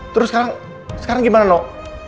terus sekarang gimana noh